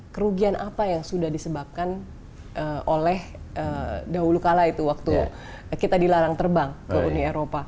kerugian apa yang sudah disebabkan oleh dahulu kala itu waktu kita dilarang terbang ke uni eropa